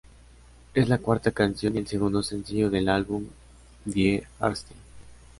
Es la cuarta canción y el segundo sencillo del álbum "Die Ärzte".